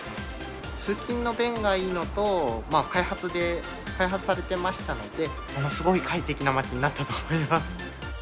通勤の便がいいのと、開発されてましたので、ものすごい快適な街になったと思います。